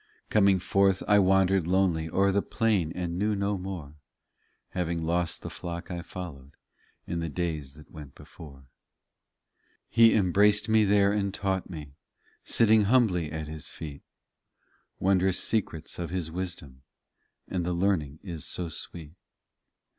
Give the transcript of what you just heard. Coming forth I wandered lonely O er the plain, and knew no more, Having lost the flock I followed In the days that went before. 27 He embraced me there and taught me Sitting humbly at His feet, Wondrous secrets of His wisdom : And the learning is so sweet.